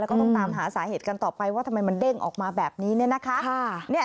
แล้วก็ต้องตามหาสาเหตุกันต่อไปว่าทำไมมันเด้งออกมาแบบนี้เนี่ยนะคะ